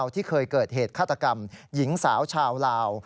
ที่เคยเกิดเหตุฆาตกรรมหญิงสาวชาวลาว